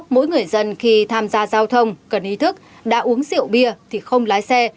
mỗi người dân khi tham gia giao thông cần ý thức đã uống rượu bia thì không lái xe